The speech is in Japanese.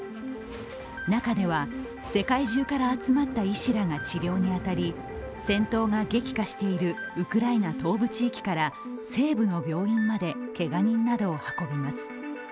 中では、世界中から集まった医師らが治療にあたり戦闘が激化しているウクライナ東部地域から西部の病院までけが人などを運びます。